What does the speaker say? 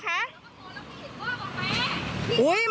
พ่อแล้วคุณเห็นพ่อบอกไหม